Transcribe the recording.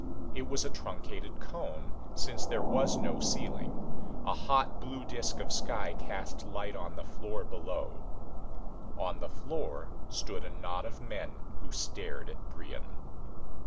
It was a truncated cone, since there was no ceiling; a hot blue disk of sky cast light on the floor below. On the floor stood a knot of men who stared at Brion.